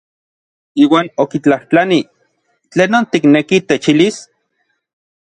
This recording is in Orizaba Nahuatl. Iuan okitlajtlanij: ¿Tlenon tikneki techilis?